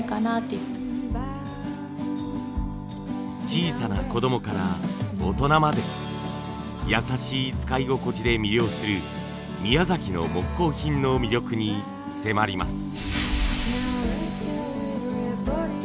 小さな子どもから大人まで優しい使い心地で魅了する宮崎の木工品の魅力に迫ります。